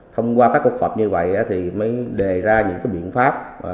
thông qua các cuộc họp như vậy thì mới đề ra những biện pháp